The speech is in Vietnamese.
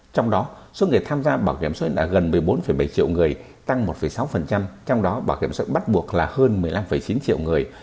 trong đó số người tham gia bảo hiểm xã hội là gần một mươi bốn bảy triệu người tăng một sáu trong đó bảo hiểm xã hội bắt buộc là hơn một mươi năm chín triệu người